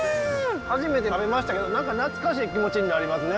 初めて食べましたけど何か懐かしい気持ちになりますね。